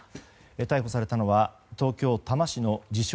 逮捕されたのは東京・多摩市の自称